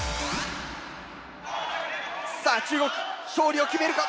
さあ中国勝利を決めるか。